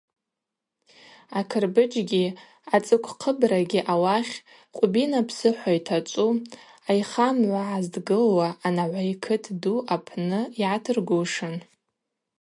Акырбыджьгьи ацӏыквхъыбрагьи ауахь, Къвбина псыхӏва йтачӏву, айхамгӏва гӏаздгылуа, анагӏвай кыт ду апны йгӏатыргушын.